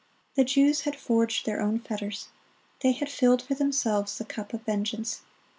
The Jews had forged their own fetters; they had filled for themselves the cup of vengeance.